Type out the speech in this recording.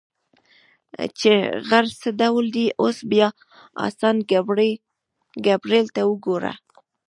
چې غر څه ډول دی، اوس بیا سان ګبرېل ته وګوره.